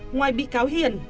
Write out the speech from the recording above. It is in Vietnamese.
ngoài bị cáo hiền